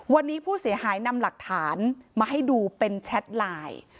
วันนี้ผู้เสียหายนำหลักฐานมาให้ดูเป็นแชทไลน์